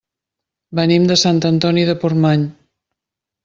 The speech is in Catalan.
Venim de Sant Antoni de Portmany.